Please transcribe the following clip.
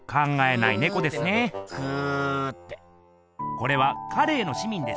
これは「カレーの市民」です。